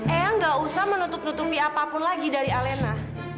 ea gak usah menutup nutupi apapun lagi dari alena